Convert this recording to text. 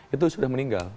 itu sudah meninggal